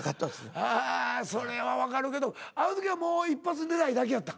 ああそれはわかるけどあの時はもう一発狙いだけやったん？